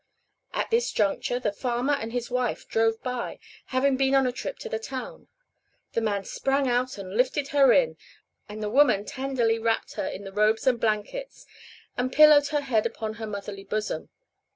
At this juncture the farmer and his wife drove by, having been on a trip to the town. The man sprang out and lifted her in, and the woman tenderly wrapped her in the robes and blankets and pillowed her head upon her motherly bosom.